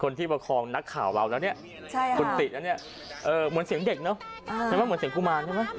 คนที่ประคองนักข่าวเบาแล้วเนี้ยมันติอะเนี้ยเหมือนเสียงเด็กเนอะ